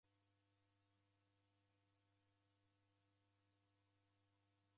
Mka wobanda sa mlamba.